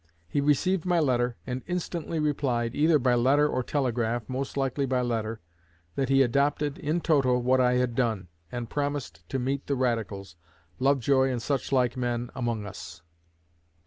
He received my letter, and instantly replied, either by letter or telegraph most likely by letter that he adopted in toto what I had done, and promised to meet the radicals Lovejoy and such like men among us."